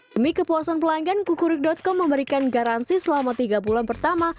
demi kepuasan pelanggan kukurik com memberikan garansi selama tiga bulan pertama